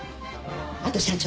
あと社長。